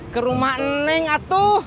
ke rumah neng atuh